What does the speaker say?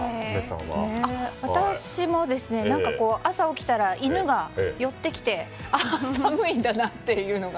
私も朝起きたら犬が寄ってきてあ、寒いんだなっていうのが。